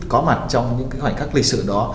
có mặt trong những khoảnh khắc lịch sử đó